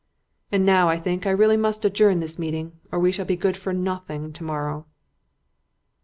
And now, I think, I must really adjourn this meeting, or we shall be good for nothing to morrow."